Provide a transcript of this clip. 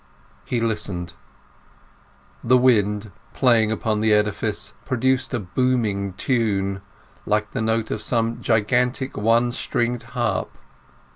He listened. The wind, playing upon the edifice, produced a booming tune, like the note of some gigantic one stringed harp.